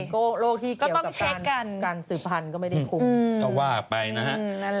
ก็โรคที่เกี่ยวกับการสืบพันธุ์ก็ไม่ได้คุมก็ว่าไปนะฮะนั่นแหละ